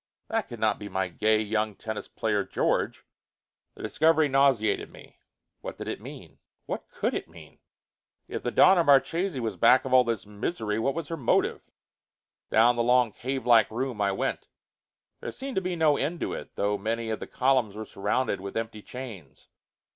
That could not be my gay young tennis player, George! The discovery nauseated me. What did it mean? What could it mean? If the Donna Marchesi was back of all that misery, what was her motive? Down the long cave like room I went. There seemed to be no end to it, though many of the columns were surrounded with empty chains.